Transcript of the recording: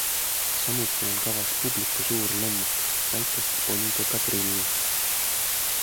Samuti on kavas publiku suur lemmik, väikeste ponide kadrill.